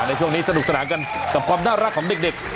ในช่วงนี้สนุกสนานกันกับความน่ารักของเด็ก